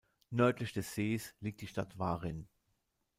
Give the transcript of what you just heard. Nördlich des Sees liegt die Stadt Warin.